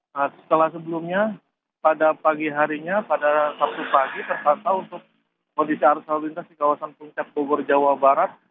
nah setelah sebelumnya pada pagi harinya pada sabtu pagi terpantau untuk kondisi arus lalu lintas di kawasan puncak bogor jawa barat